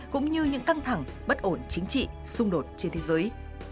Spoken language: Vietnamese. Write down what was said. cũng như những căng thẳng bất ổn chính trị xung đột trên thế giới